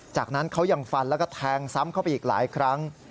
จากนั้นเขายังฟันแล้วก็แทงซ้ำเข้าไปอีกหลายครั้ง